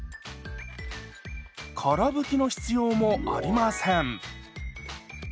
から拭きの必要もありません。